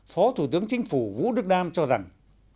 phó thủ tướng chính phủ vũ đức đam cho rằng